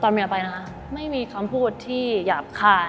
ทุกคนอยู่ด้วยกันมีความลับไม่มีคำพูดที่หยาบคาย